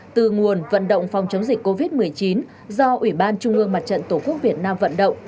từ nguồn vận động phòng chống dịch covid một mươi chín do ủy ban trung ương mặt trận tổ quốc việt nam vận động